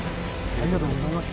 ありがとうございます。